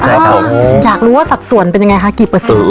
อยากรู้ว่าสัดส่วนเป็นยังไงคะกี่เปอร์สื่อ